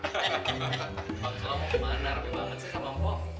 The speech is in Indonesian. kalau mau kemana rambut banget sih kak mampu